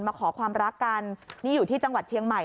มาขอความรักกันนี่อยู่ที่จังหวัดเชียงใหม่